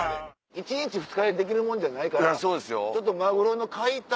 １日２日でできるもんじゃないから。